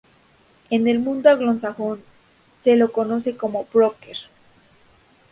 En el mundo anglosajón se lo conoce como broker.